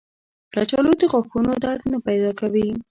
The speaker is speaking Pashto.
کچالو د غاښونو درد نه پیدا کوي